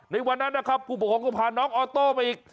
ในวันนั้นนะครับผู้ปกครองก็พาน้องออโต้ไปอีก